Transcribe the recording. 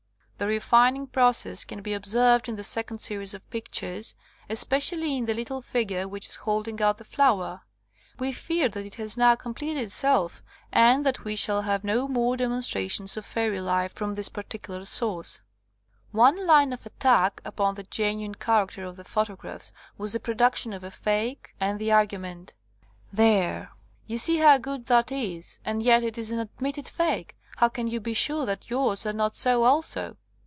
The refining process can be observed in the second series of pictures, especially in the little figure which is holding out the flower. We fear that it has now completed itself, and that we shall have no more demonstrations of fairy life from this particular source. One line of attack upon the genuine char acter of the photographs was the production of a fake, and the argument: "There, you see how good that is, and yet it is an ad mitted fake. How can you be sure that yours are not so also?"